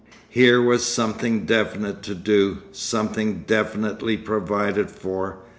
Here was something definite to do, something definitely provided for.